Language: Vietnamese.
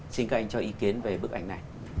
xin các anh cho ý kiến về bức ảnh này